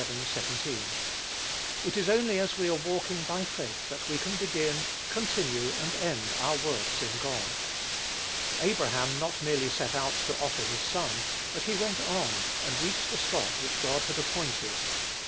17.) It is only as we are walking by faith that we can begin, continue, and end our works in God. Abraham not merely set out to offer his son, but he went on, and reached the spot which God had appointed.